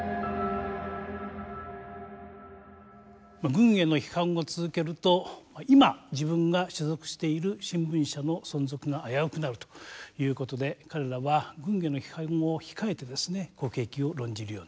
軍への批判を続けると今自分が所属している新聞社の存続が危うくなるということで彼らは軍への批判を控えて国益を論じるようになる。